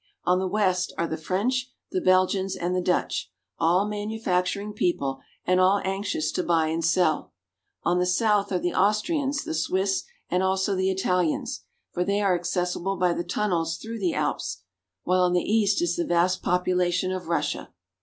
On the west are the French, the Belgians, and the Dutch, all manufac turing people and all anxious to buy and sell. On the south are the Austrians, the Swiss, and also the Italians,' for they are accessible by the tunnels through the Alps ; while on the east is the vast population of Russia.